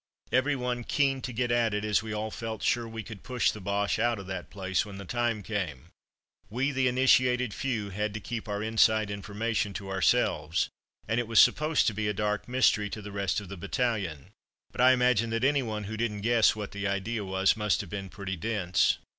Every one keen to get at it, as we all felt sure we could push the Boches out of that place when the time came. We, the initiated few, had to keep our "inside" information to ourselves, and it was supposed to be a dark mystery to the rest of the battalion. But I imagine that anyone who didn't guess what the idea was must have been pretty dense.